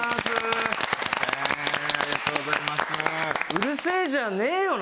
うるせえじゃねえよな。